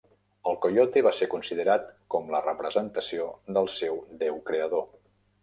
El Coyote va ser considerat com la representació del seu déu creador.